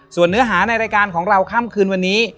ส่วนเนื้อหาในรายการของเราค่ำคืนวันนี้